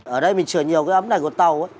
ở đây mình chữa nhiều cái ấm này của tàu